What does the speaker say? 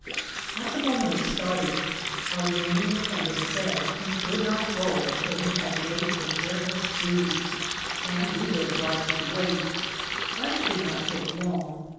At the moment of starting, our remaining attendant said he could not go until he l)ad made a pair of shoes, and we were obliged to wait ; but it did not take long.